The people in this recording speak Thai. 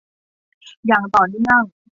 อย่างต่อเนื่อง